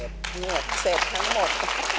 เสร็จเสร็จทั้งหมด